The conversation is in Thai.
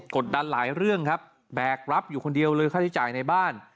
กดดันหลายเรื่องครับแบกรับอยู่คนเดียวเลยค่าใช้จ่ายในบ้าน